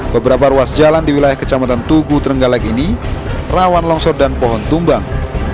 beberapa ruas jalan di wilayah kecamatan tugu trenggalek ini rawan longsor dan pohon tumbang